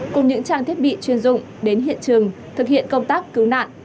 cùng những trang thiết bị chuyên dụng đến hiện trường thực hiện công tác cứu nạn